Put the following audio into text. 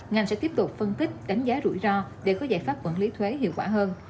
ngành sẽ tiếp tục phân tích đánh giá rủi ro để có giải pháp quản lý thuế hiệu quả hơn